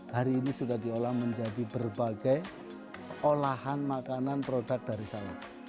hari ini sudah diolah menjadi berbagai olahan makanan produk dari sawah